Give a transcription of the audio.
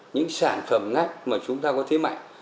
những sản phẩm ngách mà chúng ta có thế mạnh